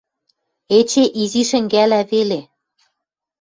Эче изи шӹнгӓлӓ веле